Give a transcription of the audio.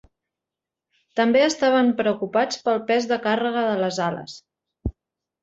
També estaven preocupats pel pes de càrrega de les ales.